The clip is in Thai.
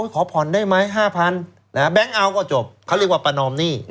ขอผ่อนได้ไหม๕๐๐แบงค์เอาก็จบเขาเรียกว่าประนอมหนี้